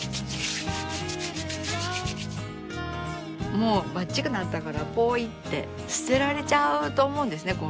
もうばっちくなったからぽいって捨てられちゃうと思うんですね。